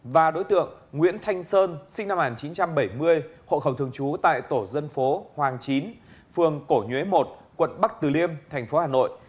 và đối tượng nguyễn thanh sơn sinh năm một nghìn chín trăm bảy mươi hộ khẩu thường trú tại tổ dân phố hoàng chín phường cổ nhuế một quận bắc từ liêm thành phố hà nội